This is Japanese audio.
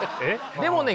でもね